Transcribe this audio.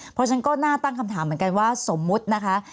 เพราะฉะนั้นก็น่าตั้งคำถามเหมือนกันว่าสมมุตินะคะ